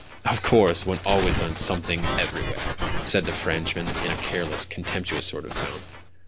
"Of course, one always learns something everywhere," said the Frenchman in a careless, contemptuous sort of tone.